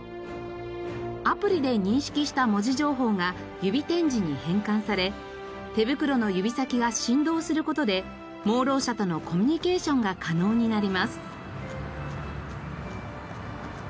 アプリで認識した文字情報が指点字に変換され手袋の指先が振動する事で盲ろう者とのコミュニケーションが可能になります。